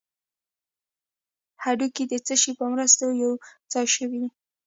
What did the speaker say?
هډوکي د څه شي په مرسته یو ځای شوي دي